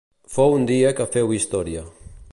Fou un dia que féu història.